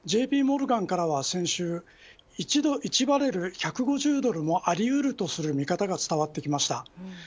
ＪＰモルガンからは先週１バレル１５０ドルもあり得るとする見方が伝わってきました。